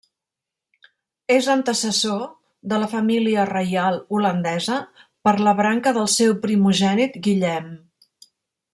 És antecessor de la família reial holandesa per la branca del seu primogènit Guillem.